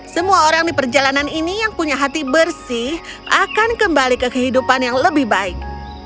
semua orang di perjalanan ini yang punya hati bersih akan kembali ke kehidupan yang lebih baik